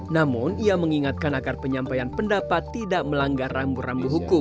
namun ia mengingatkan agar penyampaian pendapat tidak melanggar rambu rambu hukum